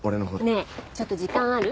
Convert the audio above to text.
ねえちょっと時間ある？